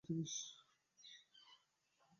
-ওতে আর তোতে অনেক তফাৎ জনিস?